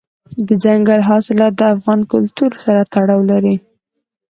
دځنګل حاصلات د افغان کلتور سره تړاو لري.